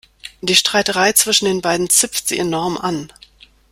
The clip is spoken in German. Die Streiterei zwischen den beiden zipft sie enorm an.